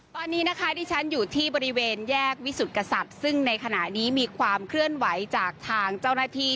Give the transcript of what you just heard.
ตอนนี้นะคะที่ฉันอยู่ที่บริเวณแยกวิสุทธิ์กษัตริย์ซึ่งในขณะนี้มีความเคลื่อนไหวจากทางเจ้าหน้าที่